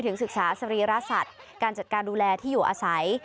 ศึกษาสรีระสัตว์การจัดการดูแลที่อยู่อาศัย